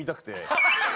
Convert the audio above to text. ハハハハ！